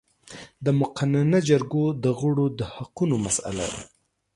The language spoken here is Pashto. د مقننه جرګو د غړو د حقونو مسئله